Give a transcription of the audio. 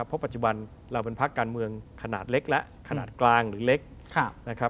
เพราะปัจจุบันเราเป็นพักการเมืองขนาดเล็กและขนาดกลางหรือเล็กนะครับ